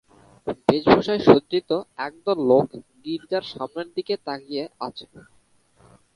বেশভূষায় সজ্জিত একদল লোক গির্জার সামনের দিকে তাকিয়ে আছে।